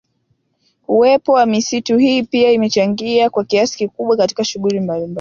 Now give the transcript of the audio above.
Uwepo wa misitu hii pia imechangia kwa kiasi kikubwa katika shughuli mbalimbali